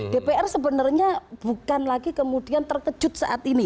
dpr sebenarnya bukan lagi kemudian terkejut saat ini